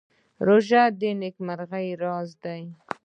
روژه د نېکمرغۍ راز دی.